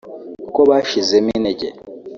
kuko bashizemo intege